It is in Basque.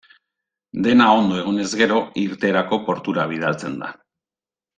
Dena ondo egonez gero, irteerako portura bidaltzen da.